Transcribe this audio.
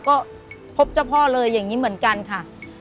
ก็พบเจ้าพ่อเลยอย่างนี้เหมือนกันค่ะ